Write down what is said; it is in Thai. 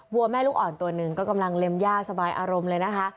วัวแม่ลูกอ่อนตัวหนึ่งก็กำลังเล็มย่าสบายอารมณ์เลยนะคะ